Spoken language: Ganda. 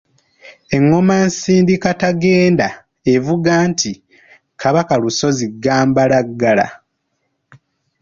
Engoma Nsindikatagenda evuga nti “Kabaka Lusozi Gambalagala.”